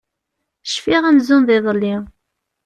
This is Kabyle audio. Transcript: Cfiɣ amzun d iḍelli.